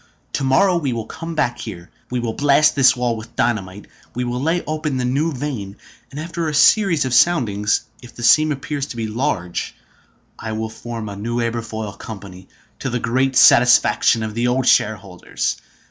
To morrow we will come back here. We will blast this wall with dynamite. We will lay open the new vein, and after a series of soundings, if the seam appears to be large, I will form a new Aberfoyle Company, to the great satisfaction of the old shareholders.